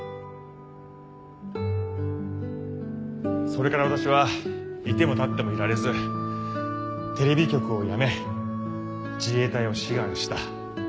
それから私は居ても立ってもいられずテレビ局を辞め自衛隊を志願したというわけです。